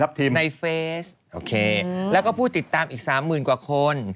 ทับทีมในเฟซโอเคแล้วก็ผู้ติดตามอีก๓หมื่นกว่าคน